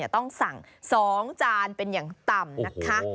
ต้องสั่ง๒จานเป็นอย่างต่ำนะคะ